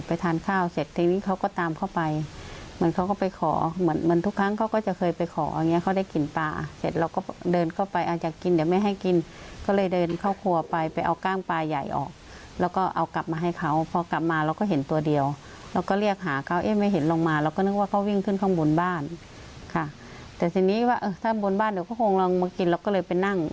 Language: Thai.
ทานข้าวเสร็จทีนี้เขาก็ตามเข้าไปเหมือนเขาก็ไปขอเหมือนเหมือนทุกครั้งเขาก็จะเคยไปขออย่างเงี้เขาได้กลิ่นปลาเสร็จเราก็เดินเข้าไปอาจจะกินเดี๋ยวไม่ให้กินก็เลยเดินเข้าครัวไปไปเอากล้างปลาใหญ่ออกแล้วก็เอากลับมาให้เขาพอกลับมาเราก็เห็นตัวเดียวเราก็เรียกหาเขาเอ๊ะไม่เห็นลงมาเราก็นึกว่าเขาวิ่งขึ้นข้างบนบ้านค่ะแต่ทีนี้ว่าเออถ้าบนบ้านเดี๋ยวเขาคงลองมากินเราก็เลยไปนั่ง